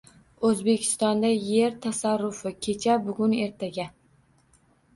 O‘zbekistonda yer tasarrufi: kecha, bugun, ertaga